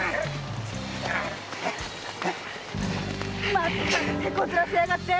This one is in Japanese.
まったく手こずらせやがって！